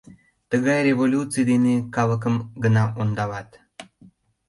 Тыгай революций дене калыкым гына ондалат.